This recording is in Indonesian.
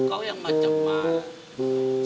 kau yang macam mana